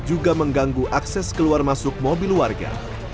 juga mengganggu akses keluar masuk mobil warga